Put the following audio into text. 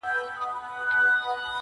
له هغې ورځي پيشو له ما بېرېږي.!